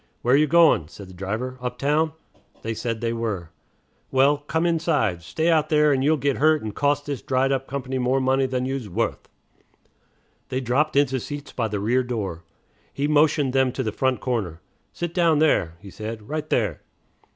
"Where you goin'?" said the driver. "Uptown?" They said they were. "Well, come inside. Stay out there, and you'll git hurt and cost this dried up company more money than you's wuth." They dropped into seats by the rear door. He motioned them to the front corner. "Sit down there," he said, "right there."